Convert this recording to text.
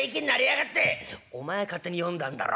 「お前が勝手に呼んだんだろ。